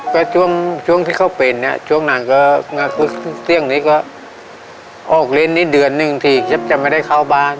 ก็ช่วงที่เข้าเป็นช่วงนานเมื่อเชื่องนี้ก็ออกเล่นนิดเดือนหนึ่งทีจะไม่ได้เข้าบ้าน